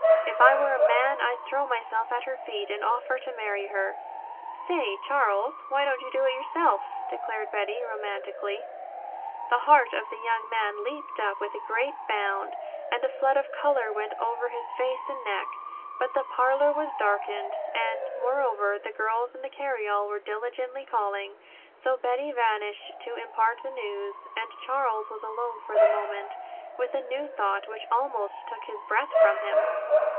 If I were a man, I'd throw myself at her feet and offer to marry her. Say, Charles, why don't you do it yourself?" declared Betty romantically. The heart of the young man leaped up with a great bound, and a flood of color went over his face and neck. But the parlor was darkened, and, moreover, the girls in the carryall were diligently calling; so Betty vanished to impart the news, and Charles was alone for the moment, with a new thought, which almost took his breath from him.